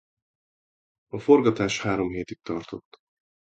A forgatás három hétig tartott.